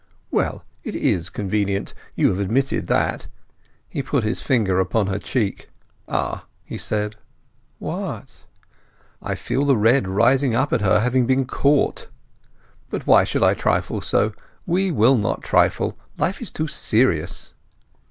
"Well, it is convenient—you have admitted that." He put his finger upon her cheek. "Ah!" he said. "What?" "I feel the red rising up at her having been caught! But why should I trifle so! We will not trifle—life is too serious."